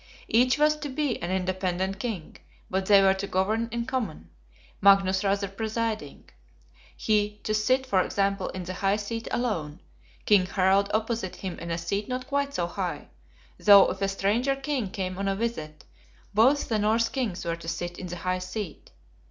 Each was to be an independent king, but they were to govern in common; Magnus rather presiding. He, to sit, for example, in the High Seat alone; King Harald opposite him in a seat not quite so high, though if a stranger King came on a visit, both the Norse Kings were to sit in the High Seat.